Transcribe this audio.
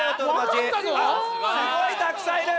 すごいたくさんいる！